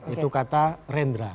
itu kata rendra